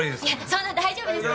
そんな大丈夫ですから。